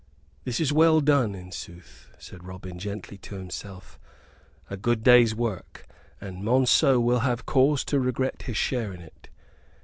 "This is well done, in sooth," said Robin, gently, to himself. "A good day's work; and Monceux will have cause to regret his share in it.